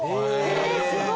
えすごい！